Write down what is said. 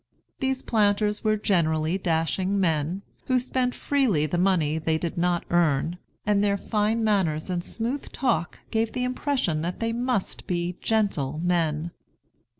These planters were generally dashing men, who spent freely the money they did not earn; and their fine manners and smooth talk gave the impression that they must be gentle men.